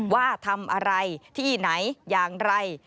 ว่าทำอะไรที่ไหนอย่างไร